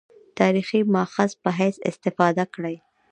تاریخي مأخذ په حیث استفاده کړې.